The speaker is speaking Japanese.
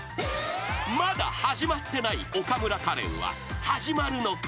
［まだはじまってない岡村・カレンははじまるのか？］